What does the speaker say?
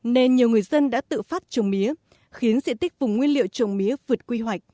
nên nhiều người dân đã tự phát trồng mía khiến diện tích vùng nguyên liệu trồng mía vượt quy hoạch